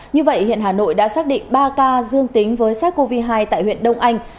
như vậy hiện hà nội đã xác định ba ca dương tính với sars cov hai tại huyện đông anh